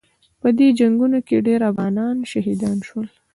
په دې جنګونو کې ډېر افغانان شهیدان شول.